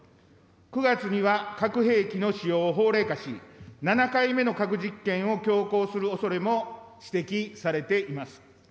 ９月には、核兵器の使用を法令化し、７回目の核実験を強行するおそれも指摘されています。